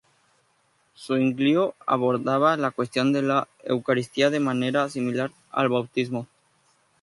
Zuinglio abordaba la cuestión de la Eucaristía de manera similar al bautismo.